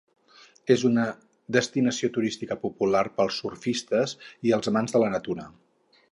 És una destinació turística popular pels surfistes i els amants de la natura.